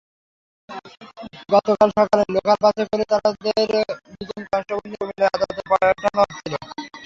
গতকাল সকালে লোকাল বাসে করে তাঁকে দুজন কনস্টেবল দিয়ে কুমিল্লার আদালতে পাঠানো হচ্ছিল।